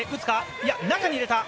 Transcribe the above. いや、中に入れた。